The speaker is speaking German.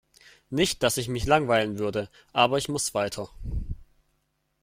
Nicht dass ich mich langweilen würde, aber ich muss weiter.